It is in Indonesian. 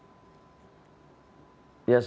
ada keanehan keanehan yang sama seperti di dalam video ini ya